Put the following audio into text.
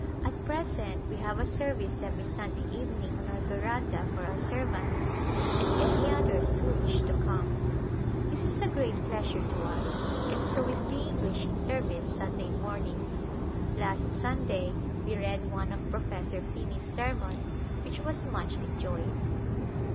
At present we have a service every Sunday evening on our veranda for our servants and any others who wish to come. This Birth of an Heir is a great pleasure to us and so is the English service Sunday mornings. Last Sunday we read one of Professor Finney's sermons which was much enjoyed.